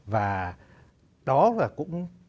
và đó là cũng